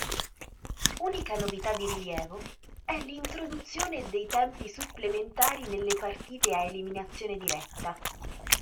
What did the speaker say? Unica novità di rilievo è l'introduzione dei tempi supplementari nelle partite a eliminazione diretta.